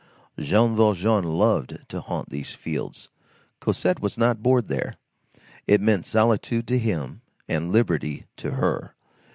Jean Valjean loved to haunt these fields. Cosette was not bored there. It meant solitude to him and liberty to her.